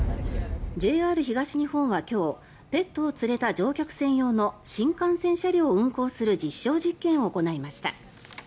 ＪＲ東日本は今日ペットを連れた乗客専用の新幹線車両を運行する実証実験を行いました。